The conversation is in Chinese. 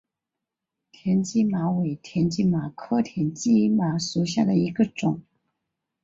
田基麻为田基麻科田基麻属下的一个种。